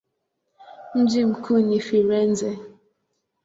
Mji mkuu ni Firenze.